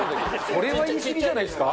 それは言いすぎじゃないですか？